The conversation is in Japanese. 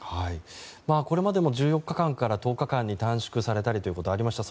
これまでも１４日間から１０日間に短縮されたりということがありました。